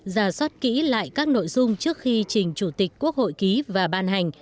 giả soát kỹ lại các nội dung trước khi trình chủ tịch quốc hội ký và ban hành